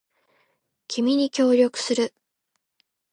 君に協力する